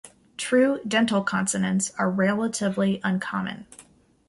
True dental consonants are relatively uncommon.